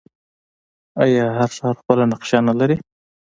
آیا هر ښار خپله نقشه نلري؟